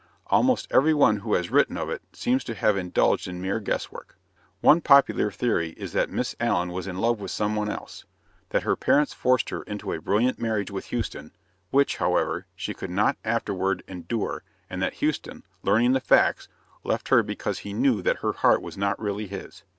Almost every one who has written of it seems to have indulged in mere guesswork. One popular theory is that Miss Allen was in love with some one else; that her parents forced her into a brilliant marriage with Houston, which, however, she could not afterward endure; and that Houston, learning the facts, left her because he knew that her heart was not really his.